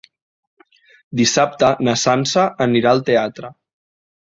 Dissabte na Sança anirà al teatre.